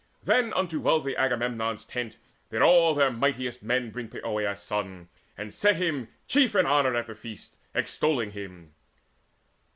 Then unto wealthy Agamemnon's tent Did all their mightiest men bring Poeas' son, And set him chief in honour at the feast, Extolling him.